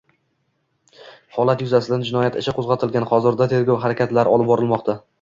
Holat yuzasidan jinoyat ishi qo‘zg‘atilgan, hozirda tergov harakatlari olib borilmoqda